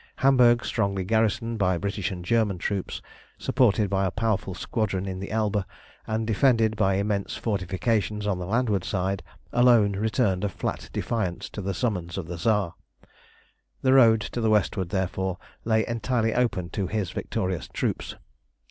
Hamburg, strongly garrisoned by British and German troops, supported by a powerful squadron in the Elbe, and defended by immense fortifications on the landward side, alone returned a flat defiance to the summons of the Tsar. The road to the westward, therefore, lay entirely open to his victorious troops.